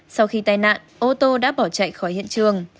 sau khi tai nạn ô tô đã bỏ chạy khỏi hiện trường